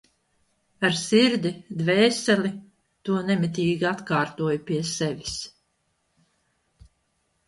Ar sirdi, dvēseli, to nemitīgi atkārtoju pie sevis.